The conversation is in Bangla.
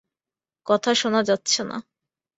কথা শোনা যাচ্ছে না।